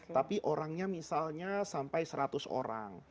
tapi orangnya misalnya sampai seratus orang